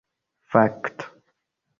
fakto